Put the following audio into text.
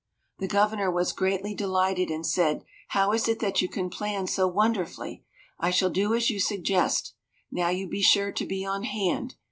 The Governor was greatly delighted, and said, "How is it that you can plan so wonderfully? I shall do as you suggest. Now you be sure to be on hand."